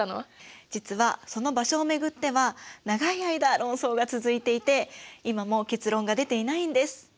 実はその場所を巡っては長い間論争が続いていて今も結論が出ていないんです。